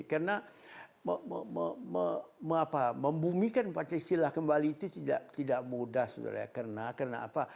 karena membumikan pancasila kembali itu tidak mudah sebenarnya karena apa